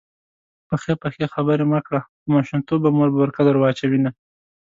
پخې پخې خبرې مه کړه_ په ماشومتوب به مور بورکه در واچوینه